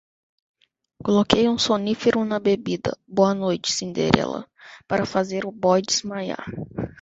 Coloquei um sonífero na bebida, boa noite cinderela, para fazer o boy desmaiar